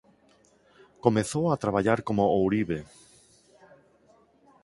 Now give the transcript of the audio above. Comezou a traballar como ourive.